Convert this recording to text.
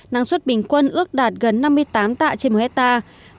năng suất bình quân ước đạt gần năm mươi tám tạ trên một hectare